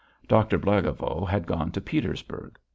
Doctor Blagovo had gone to Petersburg.